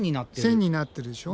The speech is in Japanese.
線になってるでしょ。